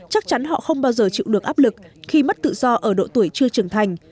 chắc chắn họ không bao giờ chịu được áp lực khi mất tự do ở độ tuổi chưa trưởng thành